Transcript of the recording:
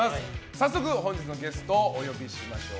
早速、本日のゲストをお呼びしましょう。